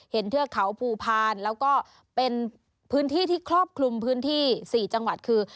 เทือกเขาภูพาลแล้วก็เป็นพื้นที่ที่ครอบคลุมพื้นที่๔จังหวัดคือ